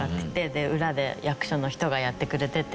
で裏で役所の人がやってくれてて。